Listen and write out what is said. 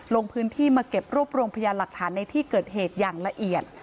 ลงพื้นที่มาเก็บรวบรวมพยานหลักฐานในที่เกิดเหตุอย่างละเอียด